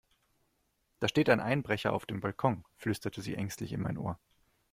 Da steht ein Einbrecher auf dem Balkon, flüsterte sie ängstlich in mein Ohr.